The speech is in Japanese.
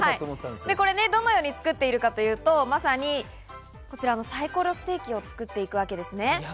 どのように作っているかというと、サイコロステーキを作っていくわけです。